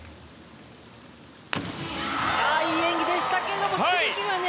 いい演技でしたけれどもしぶきはね。